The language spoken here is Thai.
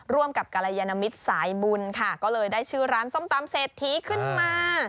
ร่วมกับกรยานมิตรสายบุญค่ะก็เลยได้ชื่อร้านส้มตำเศรษฐีขึ้นมา